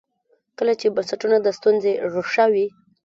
کله چې بنسټونه د ستونزې ریښه وي.